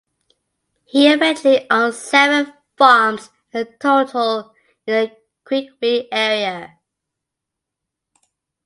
He eventually owned seven farms in total in the Kwekwe area.